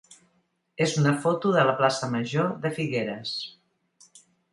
és una foto de la plaça major de Figueres.